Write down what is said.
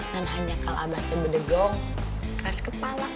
dan hanya kalau abahnya mendegong keras kepala kak